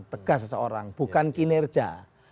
tegas seseorang bukan kinerja